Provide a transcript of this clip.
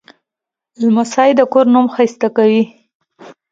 لمسی د کور نوم ښایسته کوي.